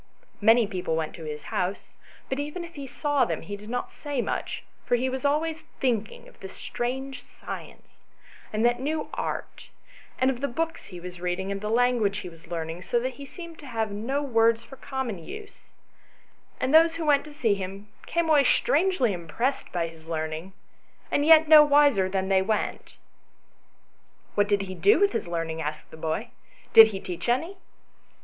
Many people went to his house ; but even if he saw them, he did not say much, for he was always think ing of this strange science, and that new art, and of the books he was reading, and the language he was learning, so that he seemed to have no words for common use, and those who went to see him came away strangely impressed by his learning, and yet no wiser than they went." "What did he do with his learning?" asked the boy. " Did he teach any